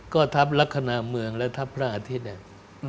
ก็ทัพลักษณะเมืองและทัพพระอาทิตย์หนึ่ง